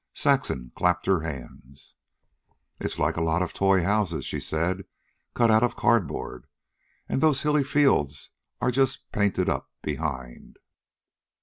Saxon clapped her hands. "It's like a lot of toy houses," she said, "cut out of cardboard. And those hilly fields are just painted up behind."